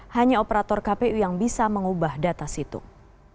hanya operator kpu yang bisa mengubah data situng